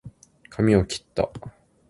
かみをきった